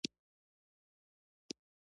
د احساس او اعتراض په وخت یې وایو.